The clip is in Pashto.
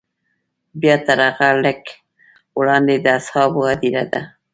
بیا تر هغه لږ وړاندې د اصحابو هدیره ده.